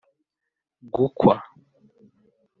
gukwa